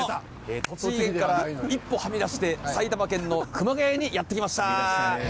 栃木県から一歩はみ出して埼玉県の熊谷にやって来ました。